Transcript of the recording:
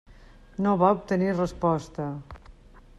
No va obtenir resposta.